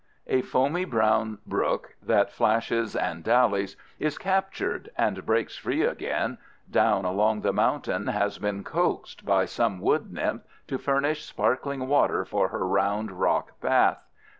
A foamy brown brook that flashes and dallies, is captured and breaks free again, down along the mountain has been coaxed by some wood nymph to furnish sparkling water for her round rock bath.